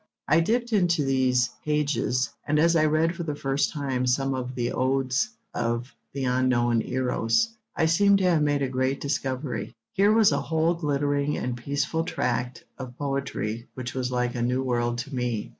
I dipped into these pages, and as I read for the first time some of the odes of The Unknown Eros, I seemed to have made a great discovery: here was a whole glittering and peaceful tract of poetry which was like a new world to me.